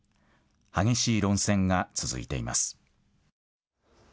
激しい論戦が続いています。